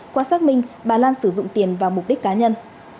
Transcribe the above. qua xác minh bà lan sử dụng tiền vào mục đích cá nhân